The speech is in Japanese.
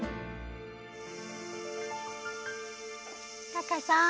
タカさん。